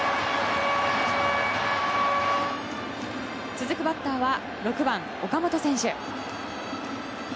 続くバッターは６番、岡本選手。